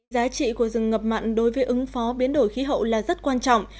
giá trị của rừng ngập mặn đối với ứng phó biến đổi khí hậu là rất quan trọng